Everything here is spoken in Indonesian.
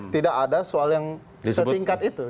tidak ada soal yang setingkat itu